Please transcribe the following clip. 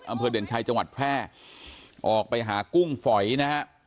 อำเภอเด่นชัยจังหวัดแพร่ออกไปหากุ้งฝอยนะฮะ